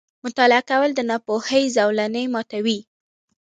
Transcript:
• مطالعه کول، د ناپوهۍ زولنې ماتوي.